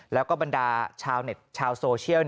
แล้วก็บรรดาชาวเน็ตชาวโซเชียล